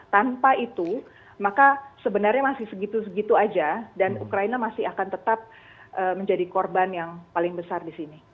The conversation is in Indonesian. tanpa itu maka sebenarnya masih segitu segitu saja dan ukraina masih akan tetap menjadi korban yang paling besar di sini